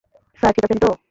Sir, ঠিক আছেন তো?